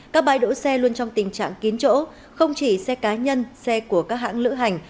các bãi đỗ xe luôn trong tình trạng kín chỗ không chỉ xe cá nhân xe của các hãng lữ hành